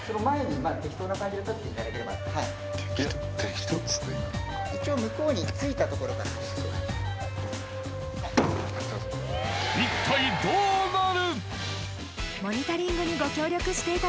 今一応向こうについたところから一体どうなる？